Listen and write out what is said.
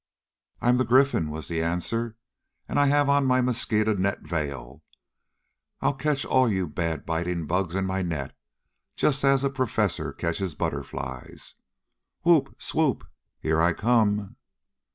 "I am the Gryphon!" was the answer. "And I have on my mosquito net veil. I'll catch all you bad biting bugs in my net, just as a professor catches butterflies. Whoop! Swoop! Here I come!"